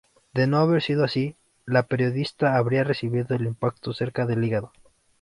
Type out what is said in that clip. De no haber sido así, la periodista habría recibido el impacto cerca del hígado.